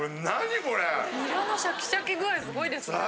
ニラのシャキシャキ具合すごいですね。